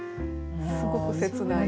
すごく切ない。